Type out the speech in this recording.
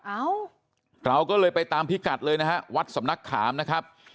เอ้าเราก็เลยไปตามพิกัดเลยนะฮะวัดสำนักขามนะครับ